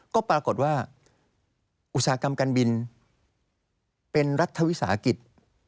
ก็ปรากฏว่าอุตสาหกรรมการบินเป็นรัฐวิสาหกิจ